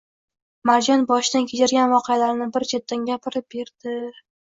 Marjon boshidan kechirgan voqealarni bir chetdan gapirib berdi